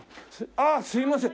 ああすいません！